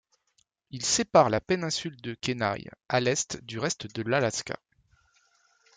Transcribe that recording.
Il sépare la péninsule de Kenai, à l'est, du reste de l'Alaska.